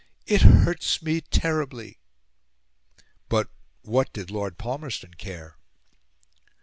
It hurts me terribly." But what did Lord Palmerston care?